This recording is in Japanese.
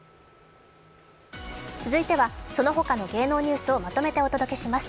続いてはそのほかの芸能ニュースをまとめてお届けします